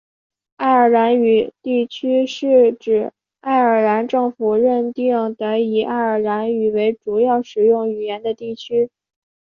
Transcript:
爱尔兰语地区是指爱尔兰政府认定的以爱尔兰语为主要使用语言的地区。